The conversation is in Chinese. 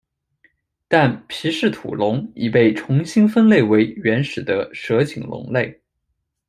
但皮氏吐龙已被重新分类为原始的蛇颈龙类。